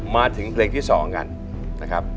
มาถึงเพลงที่๒กันนะครับ